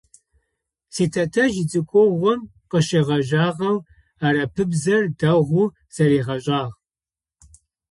Ситэтэжъ ицӏыкӏугъом къыщегъэжьагъэу арапыбзэр дэгъоу зэригъэшӏагъ.